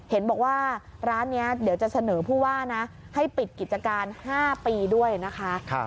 เห็นบอกว่าร้านนี้เดี๋ยวจะเสนอผู้ว่านะให้ปิดกิจการ๕ปีด้วยนะคะ